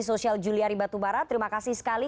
sosial juliari batubara terima kasih sekali